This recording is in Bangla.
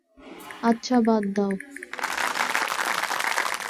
আচ্ছা, বাদ দাও।